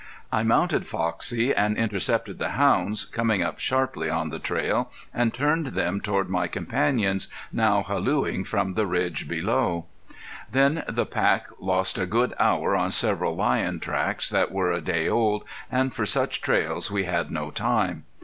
I mounted Foxie and intercepted the hounds coming up sharply on the trail, and turned them toward my companions, now hallooing from the ridge below. Then the pack lost a good hour on several lion tracks that were a day old, and for such trails we had no time.